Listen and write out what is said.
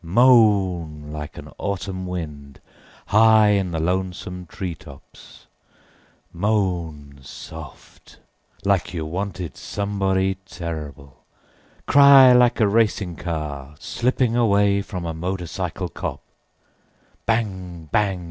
Moan like an autumn wind high in the lonesome tree tops, moan soft like you wanted somebody terrible, cry like a racing car slipping away from a motorcycle cop, bang bang!